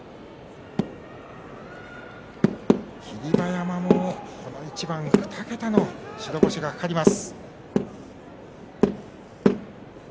霧馬山も、この一番２桁の白星が懸かります。